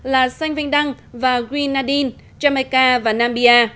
là sanh vinh đăng và green nadine jamaica và nam bia